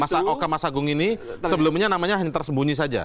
masa okamasagung ini sebelumnya namanya hanya tersembunyi saja